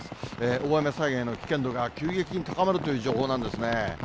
大雨災害の危険度が急激に高まるという情報なんですね。